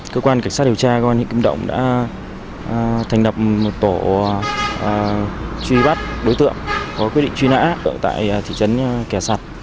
cơ quan cảnh sát điều tra công an huyện kim động đã thành lập một tổ truy bắt đối tượng có quyết định truy nã tại thị trấn kẻ sạt